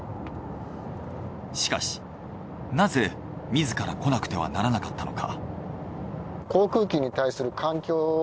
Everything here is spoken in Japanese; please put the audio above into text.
しかしなぜ自らこなくてはならなかったのか。